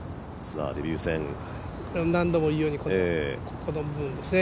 何度も言うようにこれですね。